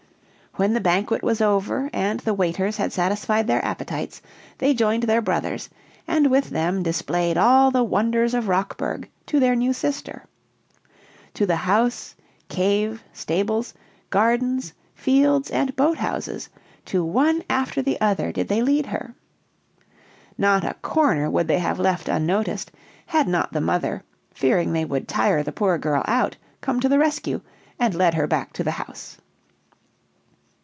When the banquet was over, and the waiters had satisfied their appetites, they joined their brothers, and with them displayed all the wonders of Rockburg to their new sister. To the house, cave, stables, gardens, fields and boathouses, to one after the other did they lead her. Not a corner would they have left unnoticed, had not the mother, fearing they would tire the poor girl out, come to the rescue, and led her back to the house.